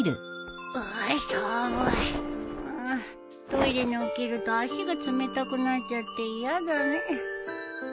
トイレに起きると足が冷たくなっちゃって嫌だねえ。